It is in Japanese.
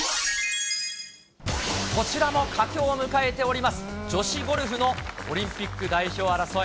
こちらも佳境を迎えております、女子ゴルフのオリンピック代表争い。